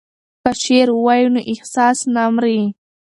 که شعر ووایو نو احساس نه مري.